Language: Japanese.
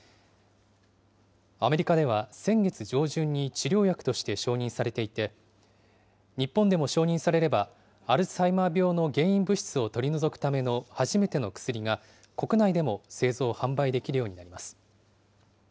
アメリカでは先月上旬に治療薬として承認されていて、日本でも承認されれば、アルツハイマー病の原因物質を取り除くための初めての薬が、国内でも製造・販売できるようになります。